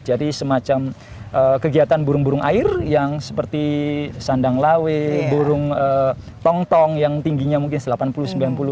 jadi semacam kegiatan burung burung air yang seperti sandang lawe burung tong tong yang tingginya mungkin delapan puluh sembilan puluh cm